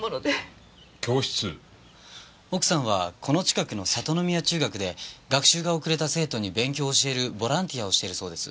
奥さんはこの近くのさとのみや中学で学習が遅れた生徒に勉強を教えるボランティアをしてるそうです。